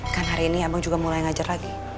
kan hari ini abang juga mulai ngajar lagi